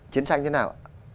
chiến tranh thế nào